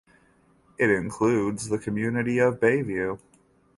It includes the community of Bayview.